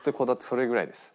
それぐらいです。